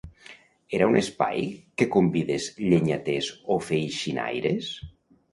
Era un espai que convidés llenyaters o feixinaires?